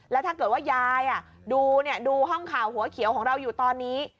แล้วถ้าเกิดว่ายายดูห้องข่าวหัวเขียวของเราอยู่ตอนนี้